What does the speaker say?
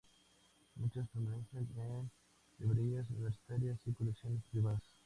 Muchas permanecen en librerías universitarias y colecciones privadas.